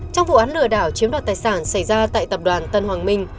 trong vụ án lừa đảo chiếm đoạt tài sản xảy ra tại tập đoàn tân hoàng minh